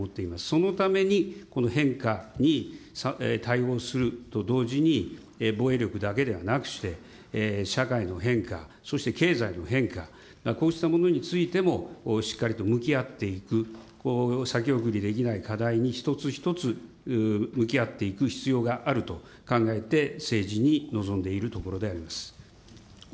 そのために、変化に対応すると同時に、防衛力だけではなくして、社会の変化、そして経済の変化、こうしたものについてもしっかりと向き合っていく、先送りできない課題に一つ一つ向き合っていく必要があると考えて政治に臨んでいるところであります。